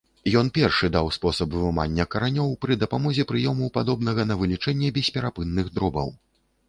Ён першы даў спосаб вымання каранёў пры дапамозе прыёму, падобнага на вылічэнне бесперапынных дробаў.